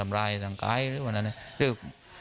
ปกติในช่วงในสิ่งนี้